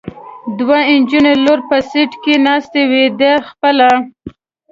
دوه نجونې لوړ په سېټ کې ناستې وې، دی خپله.